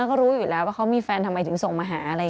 ก็รู้อยู่แล้วว่าเขามีแฟนทำไมถึงส่งมาหาอะไรอย่างนี้